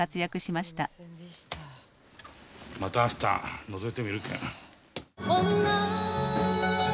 また明日のぞいてみるけん。